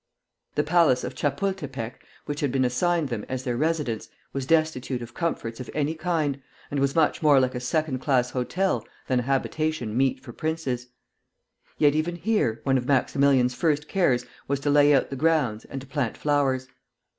The palace of Chapultepec, which had been assigned them as their residence, was destitute of comforts of any kind, and was much more like a second class hotel than a habitation meet for princes. Yet even here, one of Maximilian's first cares was to layout the grounds and to plant flowers.